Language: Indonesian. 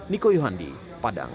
niko yuhandi padang